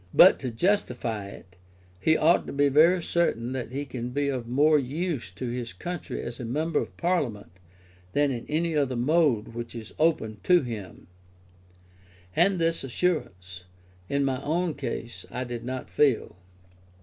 But, to justify it, he ought to be very certain that he can be of more use to his country as a member of Parliament than in any other mode which is open to him; and this assurance, in my own case, I did not feel.